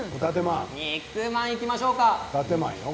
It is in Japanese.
肉まんいきましょうか。